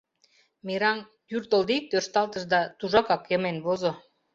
Мераҥ «юртылдик» тӧршталтыш да тужакак йымен возо.